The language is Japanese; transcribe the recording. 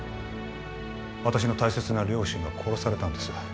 私の大切な両親が殺されたんです